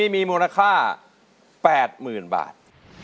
มูลนาค่า๘๐๐๐๐บาท